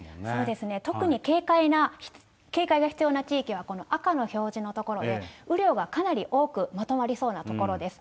特に、警戒が必要な地域は、この赤の表示の所で、雨量がかなり多くまとまりそうな所です。